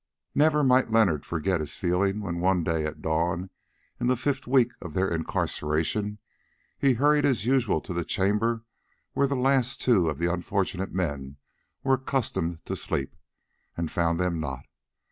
Never might Leonard forget his feelings when one day at dawn, in the fifth week of their incarceration, he hurried as usual to the chamber where the last two of the unfortunate men were accustomed to sleep, and found them not.